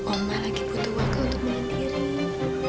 omah lagi butuh wakil untuk mengendiri